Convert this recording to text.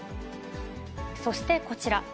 そしてこちら。